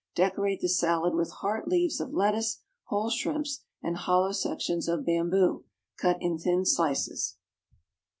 Decorate the salad with heart leaves of lettuce, whole shrimps, and hollow sections of bamboo, cut in thin slices.